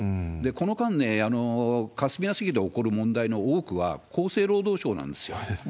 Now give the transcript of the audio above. この間、霞が関で起こる問題の多くは、厚生労働省なんですよ。